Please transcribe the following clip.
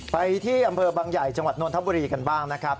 ไปที่อำเภอบางใหญ่จังหวัดนทบุรีกันบ้างนะครับ